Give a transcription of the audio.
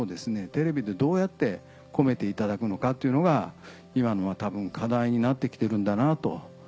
テレビでどうやって込めていただくのかっていうのが今のたぶん課題になってきてるんだなと。